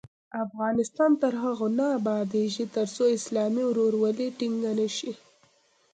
افغانستان تر هغو نه ابادیږي، ترڅو اسلامي ورورولي ټینګه نشي.